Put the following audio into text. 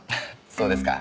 そうですか。